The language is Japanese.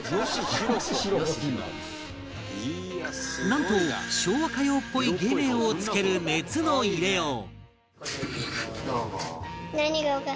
なんと昭和歌謡っぽい芸名を付ける熱の入れよう「」